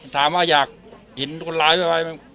ถามว่าอยากเห็นคนร้ายไว้